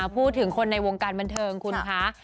พูดถึงคนในวงการบันเทิงคุณคะ